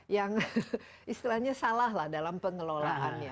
yang istilahnya salah lah dalam pengelolaannya